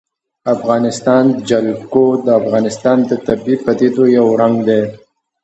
د افغانستان جلکو د افغانستان د طبیعي پدیدو یو رنګ دی.